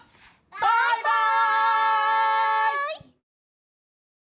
バイバイ！